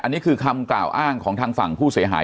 อันนี้คือคำกล่าวอ้างของทางฝั่งผู้เสียหาย